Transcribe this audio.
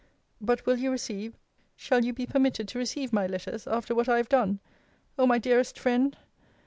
But will you receive, shall you be permitted to receive my letters, after what I have done? O my dearest friend!